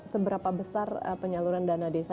seberapa besar penyaluran dana desa